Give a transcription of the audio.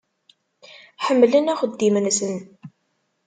Ḥemmlen axeddim-nsen.